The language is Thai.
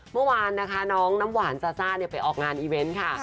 เมื่อวานนะคะน้องน้ำหวานซาซ่าไปออกงานอีเวนต์ค่ะ